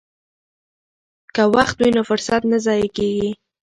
که وخت وي نو فرصت نه ضایع کیږي.